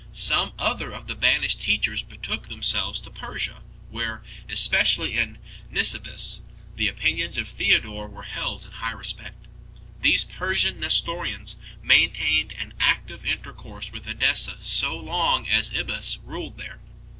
Some other of the banished teachers betook themselves to Persia, where, especially in Nisibis, the opinions of Theodore were held in high respect. These Persian Nestorians maintain ed an active intercourse with Edessa so long as Ibas ruled there.